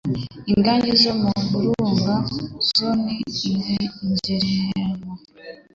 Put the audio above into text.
ingagi zo mu birunga zo ni ntagereranywa